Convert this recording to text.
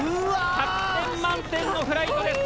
１００点満点のフライトです。